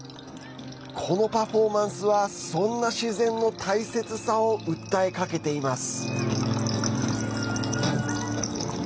このパフォーマンスは、そんな自然の大切さを訴えかけています。